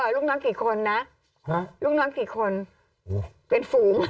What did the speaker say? ลูกน้องกี่คนนะลูกน้องกี่คนเป็นฝูง